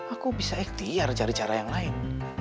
aku bisa ikhtiar cari cara yang lain